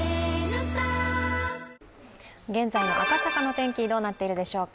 現在の赤坂の天気、どうなっているでしょうか。